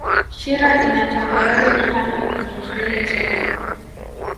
Shira ina tambarare pana kwenye kilele chake